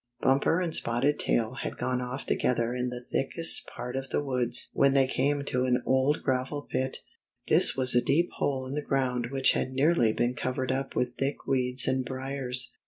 Bumper and Spotted Tail had gone off together in the thick est part of the woods when they came to an old gravel pit. This was a deep hole in the ground which had nearly been covered up with thick weeds and briers.